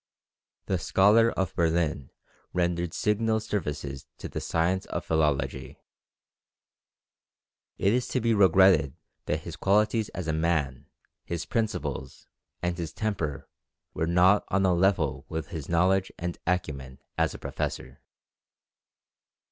The scholar of Berlin rendered signal services to the science of philology. It is to be regretted that his qualities as a man, his principles, and his temper, were not on a level with his knowledge and acumen as a professor.